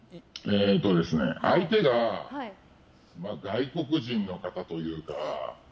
相手が外国人の方というか。